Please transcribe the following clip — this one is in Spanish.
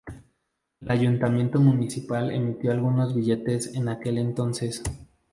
El ayuntamiento municipal emitió algunos billetes en aquel entonces.